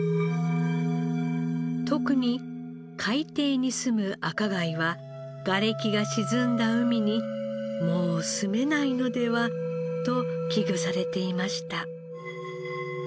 特に海底に棲む赤貝はがれきが沈んだ海にもう棲めないのではと危惧されていました。